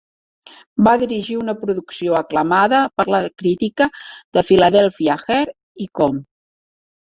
Va dirigir una producció aclamada per la crítica de "Philadelphia Here I Come!".